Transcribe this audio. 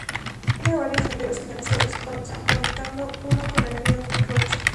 Tiene varios senderos señalizados, conectando uno con el río Roche